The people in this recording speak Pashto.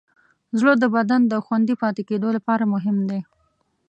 زړه د بدن د خوندي پاتې کېدو لپاره مهم دی.